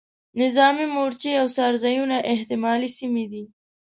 نظامي مورچې او څار ځایونه احتمالي سیمې دي.